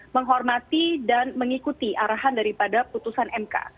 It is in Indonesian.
menghormati dan mengikuti arahan daripada putusan mk